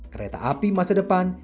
kereta api masa depan